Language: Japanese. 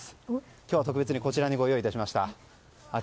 今日は特別にこちらにご用意いたしました。